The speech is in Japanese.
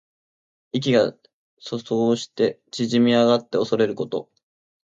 意気が阻喪して縮み上がっておそれること。